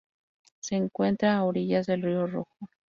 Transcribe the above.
Se encuentra a orillas del río Rojo.